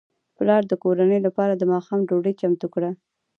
پلار د کورنۍ لپاره د ماښام ډوډۍ چمتو کړه.